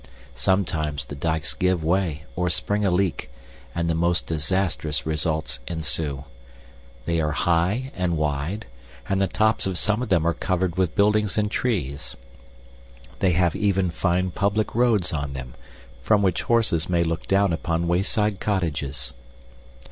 Sometimes the dikes give way or spring a leak, and the most disastrous results ensue. They are high and wide, and the tops of some of them are covered with buildings and trees. They have even fine public roads on them, from which horses may look down upon wayside cottages.